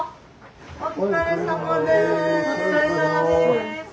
お疲れさまです。